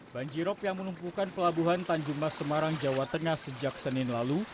banjirop yang menumpukan pelabuhan tanjung mas semarang jawa tengah sejak senin lalu